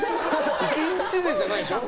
１日でじゃないでしょ。